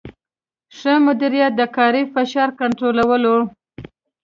ښه مدیریت د کاري فشار کنټرولوي.